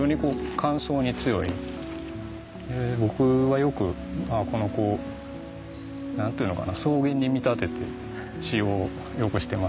僕はよくこの子を何て言うのかな草原に見立てて使用をよくしてますね。